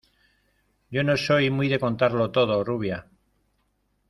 yo no soy muy de contarlo todo, rubia.